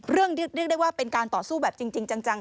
เรื่องที่เรียกได้ว่าเป็นการต่อสู้แบบจริงจัง